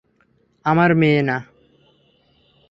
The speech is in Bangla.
আমার মেয়ে, না!